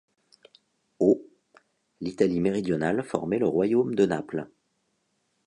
Au l'Italie méridionale formait le royaume de Naples.